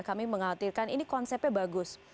kami mengkhawatirkan ini konsepnya bagus